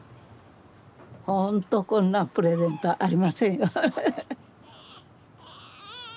ほんとこんなプレゼントありませんよ。